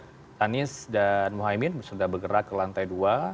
kita lihat anies dan muhaimin sudah bergerak ke lantai dua